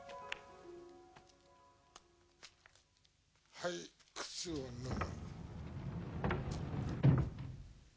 はい靴を脱ぐ。